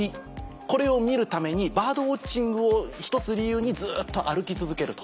これを見るためにバードウオッチングをひとつ理由にずっと歩き続けると。